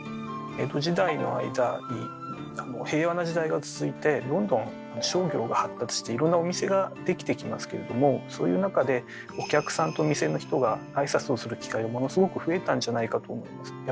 江戸時代の間に平和な時代が続いてどんどん商業が発達していろんなお店ができてきますけれどもそういう中でお客さんとお店の人が挨拶をする機会がものすごく増えたんじゃないかと思います。